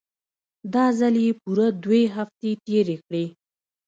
دا ځل يې پوره دوې هفتې تېرې کړې.